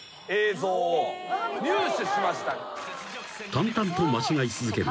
［淡々と間違い続ける